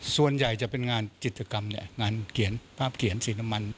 ส่วนใหญ่จะเป็นงานจิตกรรมเนี่ยงานเขียนภาพเขียนสีน้ำมัน